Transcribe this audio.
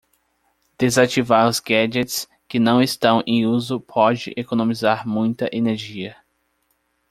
Desativar os gadgets que não estão em uso pode economizar muita energia.